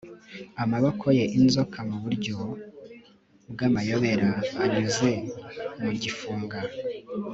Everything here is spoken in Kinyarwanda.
amaboko ye inzoka mu buryo bw'amayobera anyuze mu gifunga